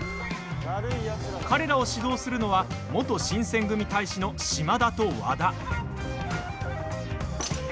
彼らを指導するのは元新選組隊士の島田と和田。